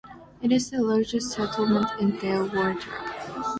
It is the largest settlement in Dale woreda.